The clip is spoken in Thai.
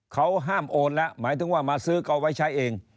เขาห้ามโอนแล้วหมายถึงว่ามาซื้อก็เอาไว้ใช้เอง